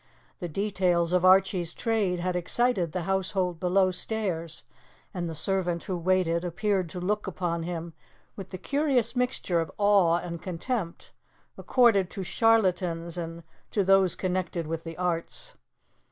The details of Archie's trade had excited the household below stairs, and the servant who waited appeared to look upon him with the curious mixture of awe and contempt accorded to charlatans and to those connected with the arts.